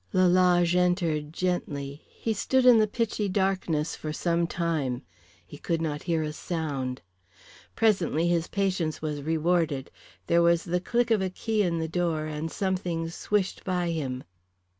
Lalage entered gently. He stood in the pitchy darkness for some time. He could not hear a sound. Presently his patience was rewarded. There was the click of a key in the door and something swished by him.